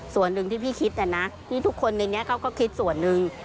ส่วนหนึ่งที่พี่คิดนะพี่ทุกคนในนี้เขาก็คิดส่วนหนึ่ง